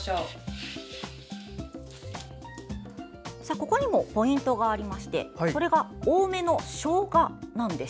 ここにもポイントがありまして多めのしょうがなんです。